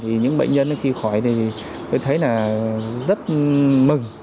vì những bệnh nhân khi khỏi thì tôi thấy là rất mừng